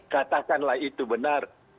katakanlah itu benar